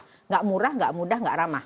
tidak murah tidak mudah tidak ramah